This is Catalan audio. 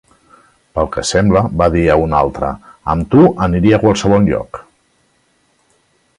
Pel que sembla, va dir a un altre: "Amb tu, aniria a qualsevol lloc".